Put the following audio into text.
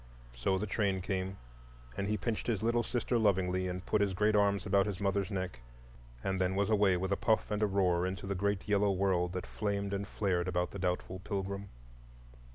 So the train came, and he pinched his little sister lovingly, and put his great arms about his mother's neck, and then was away with a puff and a roar into the great yellow world that flamed and flared about the doubtful pilgrim.